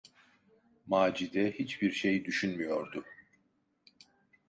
Macide hiçbir şey düşünmüyordu.